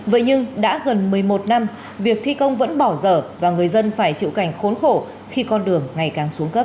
vậy nhưng đã gần một mươi một năm việc thi công vẫn bỏ dở và người dân phải chịu cảnh khốn khổ khi con đường ngày càng xuống cấp